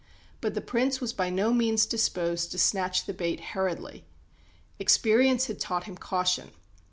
But the Prince was by no means disposed to snatch the bait hurriedly. Experience had taught him caution.